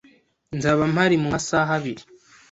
Nzaba mpari mumasaha abiri.